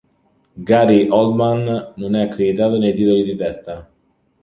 Gary Oldman non è accreditato nei titoli di testa.